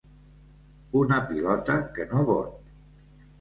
Una pilota que no bot.